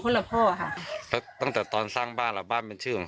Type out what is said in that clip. คุณละพ่อค่ะตั้งแต่ตอนสร้างบ้านหรอบ้านเป็นชื่อของ